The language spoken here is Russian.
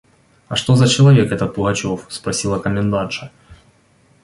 – А что за человек этот Пугачев? – спросила комендантша.